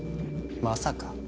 まさか。